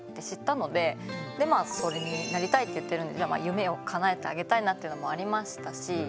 でまあそれになりたいって言ってるんで夢をかなえてあげたいなっていうのもありましたし。